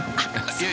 いや。